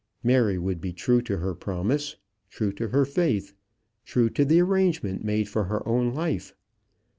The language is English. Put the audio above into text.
Mary would be true to her promise; true to her faith, true to the arrangement made for her own life.